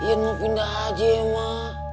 yan mau pindah aja ya mas